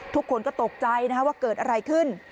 ทุกคนก็ตกใจว่าเกิดอะไรขึ้น